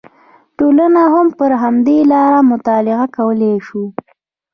ټولنه هم پر همدې لاره مطالعه کولی شو